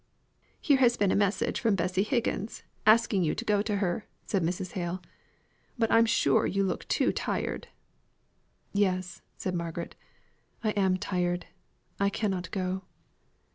"Here has been a message from Bessy Higgins, asking you to go to her," said Mrs. Hale. "But I'm sure you look too tired." "Yes!" said Margaret. "I am tired, I cannot go."